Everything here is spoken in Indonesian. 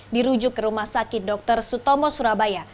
dirujuk ke rumah sakit dr sutomo surabaya